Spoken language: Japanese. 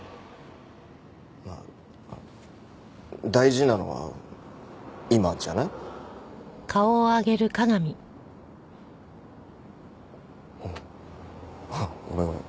まあ大事なのは今じゃない？ああごめんごめん。